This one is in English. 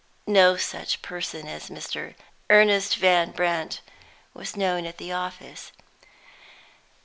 No such person as "Mr. Ernest Van Brandt" was known at the office.